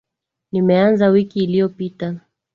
Nimeanza wiki iliyopita.